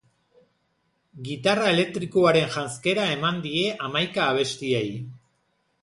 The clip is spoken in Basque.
Gitarra elektrikoaren janzkera eman die hamaika abestiei.